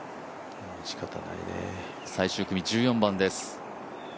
最終組、１４番です。